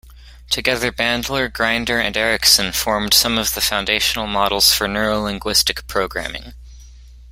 Together Bandler, Grinder, and Erickson formed some of the foundational models for Neuro-linguistic programming.